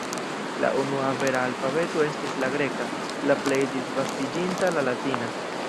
La unua vera alfabeto estis la greka, la plej disvastiĝinta la latina.